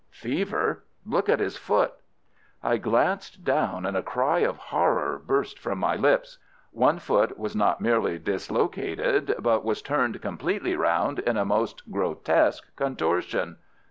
"Fever! Look at his foot!" I glanced down and a cry of horror burst from my lips. One foot was not merely dislocated but was turned completely round in a most grotesque contortion.